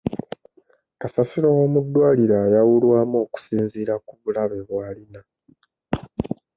Kasasiro w'omuddwaliro ayawulwamu okusinziira ku bulabe bw'alina.